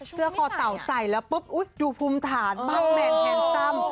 เสื้อคอเต่าใส่แล้วปุ๊บดูภูมิฐานมากแมนแฮนซัม